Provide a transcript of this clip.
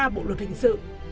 bộ luật hình sự